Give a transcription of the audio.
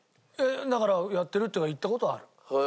だからやってるっていうから行った事はある。